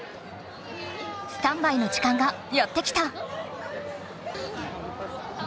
スタンバイの時間がやってきた。